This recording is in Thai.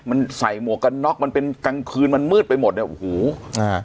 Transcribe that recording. มันใส่หมวกกันน็อกมันเป็นกลางคืนมันมืดไปหมดเนี้ยโอ้โหอ่า